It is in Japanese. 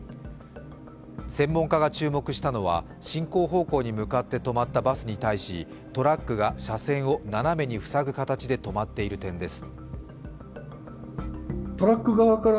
専門家が注目したのは進行方向に向かって止まったバスに対しトラックが車線を斜めに塞ぐ形で止まっている点です。